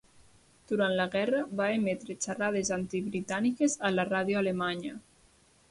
Durant la guerra, va emetre xerrades antibritàniques a la ràdio alemanya.